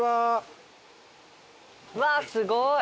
うわっすごい！